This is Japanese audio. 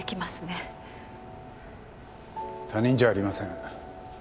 他人じゃありません。